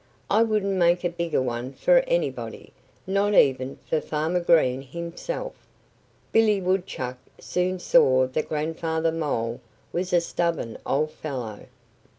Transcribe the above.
"I wouldn't make a bigger one for anybody not even for Farmer Green himself." Billy Woodchuck soon saw that Grandfather Mole was a stubborn old fellow.